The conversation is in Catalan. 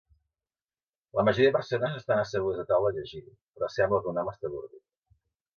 La majoria de persones estan assegudes a taules llegint, però sembla que un home està adormit.